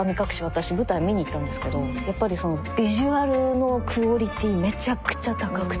私舞台観にいったんですけどやっぱりビジュアルのクオリティーめちゃくちゃ高くて。